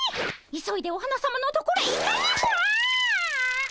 急いでお花さまのところへ行かねばああ。